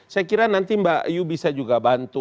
saya kira nanti mbak ayu bisa juga bantu